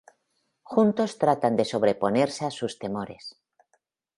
Juntos tratan de sobreponerse a sus temores.